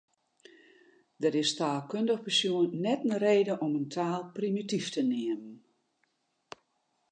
Der is taalkundich besjoen net in reden om in taal primityf te neamen.